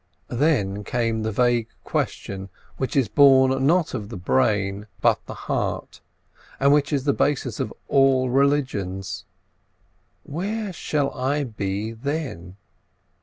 Then came the vague question which is born not of the brain, but the heart, and which is the basis of all religions—where shall I be then?